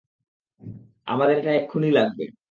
আমাদের এটা এক্ষুনি লাগবে।